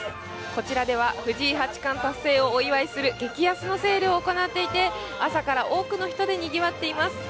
こちらでは藤井八冠達成をお祝いする激安のセールを行っていて朝から多くの人でにぎわっています。